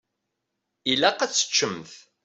Ilaq ad teččemt.